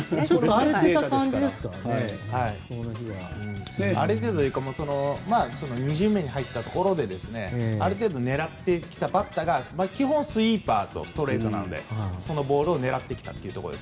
荒れているというか２巡目に入ったところである程度、狙ってきたバッターが基本スイーパーとストレートなのでそのボールを狙ってきたと。